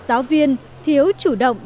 giáo viên thiếu chủ động